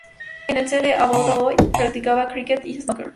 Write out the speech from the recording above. En el set de "About a Boy", practicaba cricket y snooker.